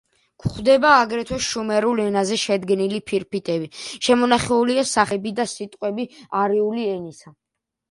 გვხვდება აგრეთვე შუმერულ ენაზე შედგენილი ფირფიტები, შემონახულია სახელები და სიტყვები არიული ენისა.